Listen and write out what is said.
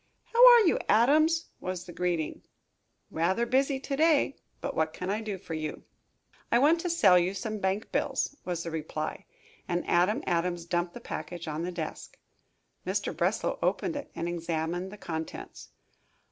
"How are you, Adams!" was the greeting. "Rather busy to day, but what can I do for you?" "I want to sell you some bank bills," was the reply, and Adam Adams dumped the package on the desk. Mr. Breslow opened it and examined the contents.